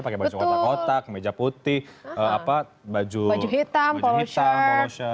pakai baju kotak kotak meja putih baju hitam polosnya